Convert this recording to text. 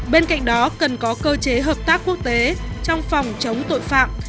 bên cạnh đó cần có cơ chế hợp tác quốc tế trong phòng chống tội phạm